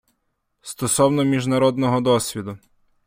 Стосовно міжнародного досвіду.